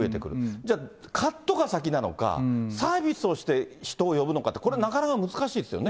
じゃあ、カットが先なのか、サービスをして人を呼ぶのか、これなかなか難しいですよね。